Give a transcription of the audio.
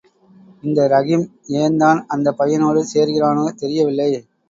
இந்த ரஹீம் ஏன்தான் அந்தப் பையனோடு சேர்கிறானோ தெரியவில்லை!